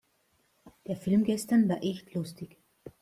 Der Film gestern war echt lustig.